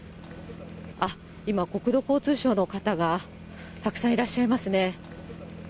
あっ、今、国土交通省の方がたくさんいらっしゃいますね。